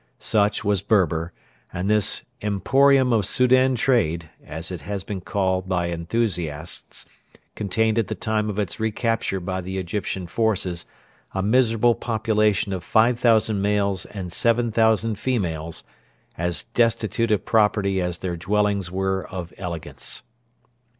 Such was Berber, and this 'emporium of Soudan trade,' as it has been called by enthusiasts, contained at the time of its recapture by the Egyptian forces a miserable population of 5,000 males and 7,000 females, as destitute of property as their dwellings were of elegance.